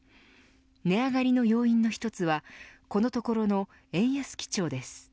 値上がりの要因の１つはこのところの円安基調です。